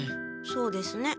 そうですね。